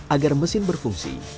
agar mesin berfungsi